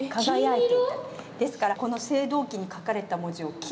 ですからこの青銅器に書かれた文字を「金文」